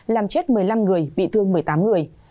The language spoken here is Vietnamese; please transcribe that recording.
làm chết một mươi năm người bị thương một mươi tám người